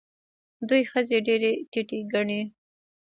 دوی ښځې ډېرې ټیټې ګڼي.